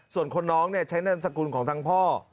ส่วนคนน้องใช้นามสกุลของทั้งพ่อ